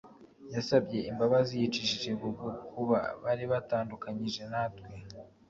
Yasabye imbabazi yicishije bugu kuba baritandukanyije natwe